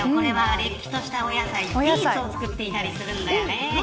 れっきとしたお野菜、ビーツを作っていたりするんだよね。